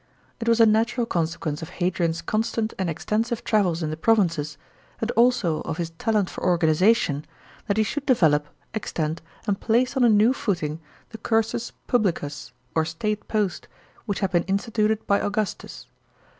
It was a natural consequence of Hadrian's constant and extensive travels in the provinces, and also of his talent for organisation, that he should develope, extend, and place on a new footing the cursus publicus, or state post, which had been instituted by Augustus.